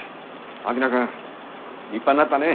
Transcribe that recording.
槙野君立派になったね。